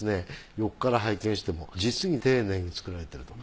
横から拝見しても実に丁寧に作られてると。